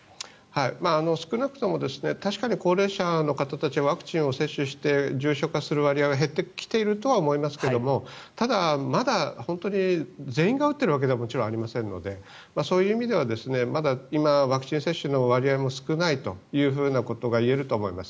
少なくとも確かに高齢者の方たちはワクチンを接種して重症化する割合は減ってきているとは思いますがただ、まだ本当に全員が打っているわけではもちろんありませんのでそういう意味ではまだ今ワクチン接種の割合も少ないということが言えると思います。